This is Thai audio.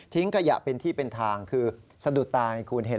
ทิ้งกระหยะเป็นที่เป็นทางคือสะดุดตาใหม่คุณเห็น